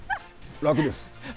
楽です。